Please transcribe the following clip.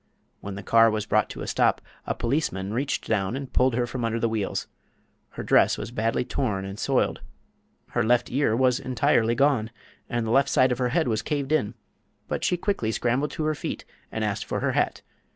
When the car was brought to a stop a policeman reached down and pulled her from under the wheels. Her dress was badly torn and soiled. Her left ear was entirely gone, and the left side of her head was caved in; but she quickly scrambled to her feet and asked for her hat.